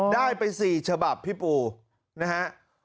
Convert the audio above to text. ได้ไป๔ฉบับพี่ปูนะฮะ